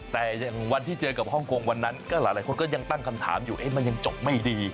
แต่อย่างวันที่เจอกับฮ่องกงวันนั้นก็หลายคนก็ยังตั้งคำถามอยู่มันยังจบไม่ดี